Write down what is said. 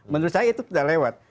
menurut saya itu tidak lewat